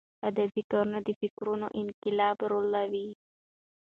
ادبي کارونه د فکرونو انقلاب راولي.